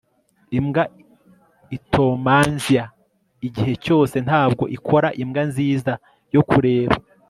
imbwa itonmanzia igihe cyose ntabwo ikora imbwa nziza yo kureba